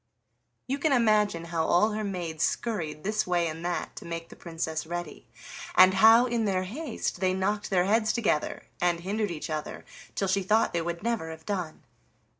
'" You can imagine how all her maids scurried this way and that to make the Princess ready, and how in their haste they knocked their heads together and hindered each other, till she thought they would never have done.